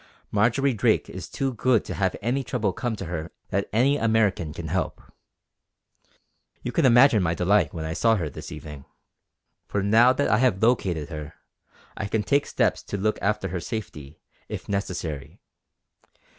Marjory Drake is too good to have any trouble come to her that any American can help. You can imagine my delight when I saw her this evening; for now that I have located her, I can take steps to look after her safety if necessary.